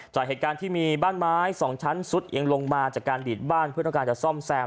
จากเหตุการณ์ที่มีบ้านไม้สองชั้นซุดเอียงลงมาจากการดีดบ้านเพื่อต้องการจะซ่อมแซม